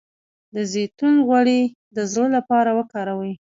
د زیتون غوړي د زړه لپاره وکاروئ